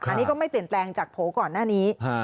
อันนี้ก็ไม่เปลี่ยนแปลงจากโผล่ก่อนหน้านี้